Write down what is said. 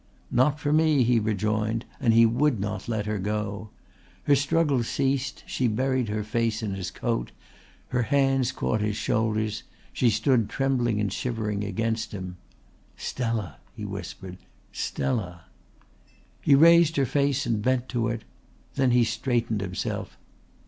"Not for me," he rejoined, and he would not let her go. Her struggles ceased, she buried her face in his coat, her hands caught his shoulders, she stood trembling and shivering against him. "Stella," he whispered. "Stella!" He raised her face and bent to it. Then he straightened himself.